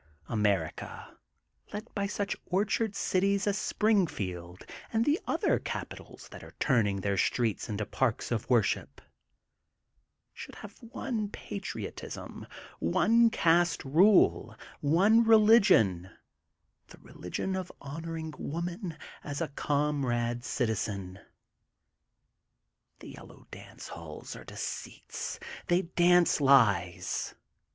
America, led by such orchard cities as Springfield and the other capitals that are turning their streets into parks of worship, should have one pa 200 THE GOLDEN BOOK OF SPRINGFIELD triotism, one caste rule, one religion, the relig ion of honoring woman as a comrade citizen. The Yellow Dance Halls are deceits. They dance lies.